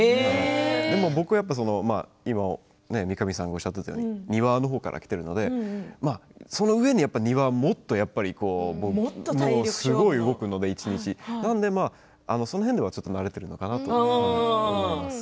でも僕はやっぱり三上さんもおっしゃったように庭の方からきているのでそのうえに庭はもっと体力勝負、動くのでその辺では慣れているのかなと思います。